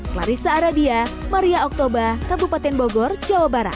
clarissa aradia maria oktober kabupaten bogor jawa barat